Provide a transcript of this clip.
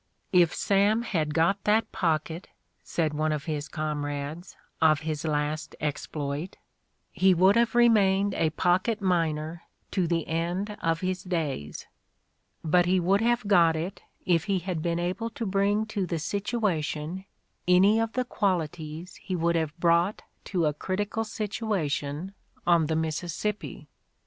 '' If Sam had got that pocket," said one of his comrades, of his last exploit, "he would have remained a pocket miner to the 8o The Ordeal of Mark Twain end of his days"; but he would have got it if he had been able to bring to the situation any of the qualities he would have brought to a critical situation on the Mississippi.